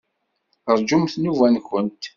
Rjumt nnuba-nkent.